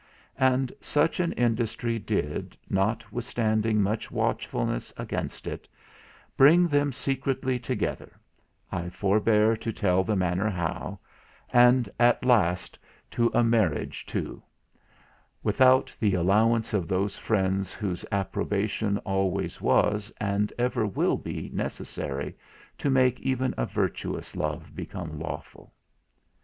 And such an industry did, notwithstanding much watchfulness against it, bring them secretly together, I forbear to tell the manner how, and at last to a marriage too, without the allowance of those friends whose approbation always was, and ever will be necessary, to make even a virtuous love become lawful.